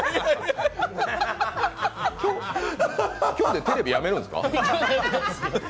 今日でテレビやめるんですか？